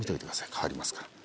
変わりますから。